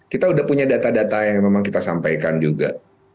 kita sudah punya data data yang memang kita sampaikan juga